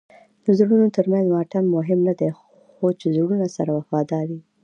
د زړونو ترمنځ واټن مهم نه دئ؛ خو چي زړونه سره وفادار يي.